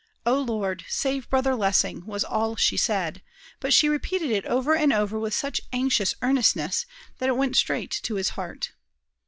"O Lord, save Brother Lessing!" was all she said, but she repeated it over and over with such anxious earnestness, that it went straight to his heart.